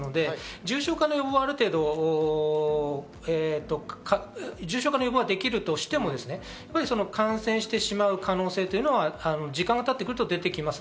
重症化の予防はある程度、できるとしても、感染してしまう可能性というのは時間が経ってくると出てきます。